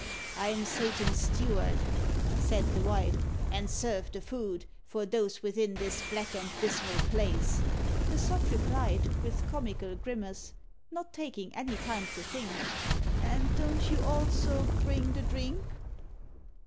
"I'm Satan's steward," said the wife, "and serve the food For those within this black and dismal place." The sot replied, with comical grimace, Not taking any time to think, "And don't you also bring the drink?"